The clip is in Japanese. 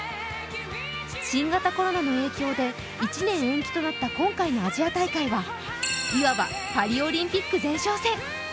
新型コロナの影響で１年延期となった今回のアジア大会はいわばパリオリンピック前哨戦。